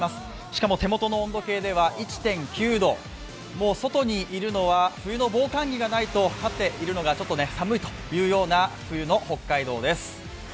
しかも手元の温度計では１．９度外にいるのは冬の防寒着がないと絶っているのはちょっと寒いというのが冬の北海道です。